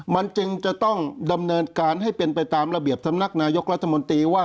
มันจึงจะต้องดำเนินการให้เป็นไปตามระเบียบสำนักนายกรัฐมนตรีว่า